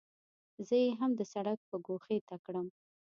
زه یې هم د سړک ګوښې ته کړم.